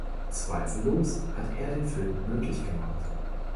Zweifellos hat er den Film möglich gemacht.